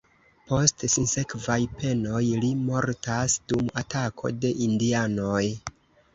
Post sinsekvaj penoj, li mortas dum atako de indianoj.